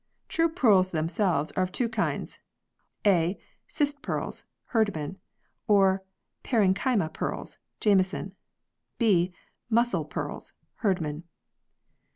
True pearls themselves are of two kinds, (a) Cyst pearls (Herdman) or Parenchyma pearls (Jameson), (b) Muscle pearls (Herdman).